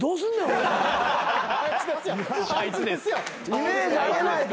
イメージ上げないと。